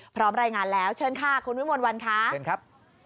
พร้อมรายงานแล้วเชิญค่ะคุณวิมวลวันค่ะเชิญครับ